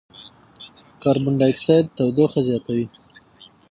د کاربن ډای اکسایډ تودوخه زیاتوي.